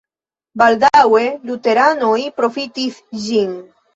Baldaŭe luteranoj profitis ĝin.